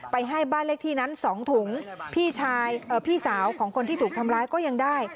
ให้บ้านเลขที่นั้น๒ถุงพี่ชายพี่สาวของคนที่ถูกทำร้ายก็ยังได้